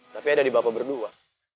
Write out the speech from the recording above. tapi ada di bapak berdua